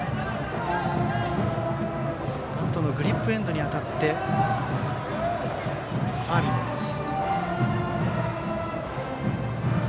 バットのグリップエンドに当たりファウルになります。